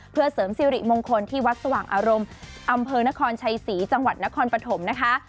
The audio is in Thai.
เพื่อเสริมสิริมงคลที่วัดสว่างอารมณ์อำเภอนครชัยศรีจังหวัดนครปฐมนะคะ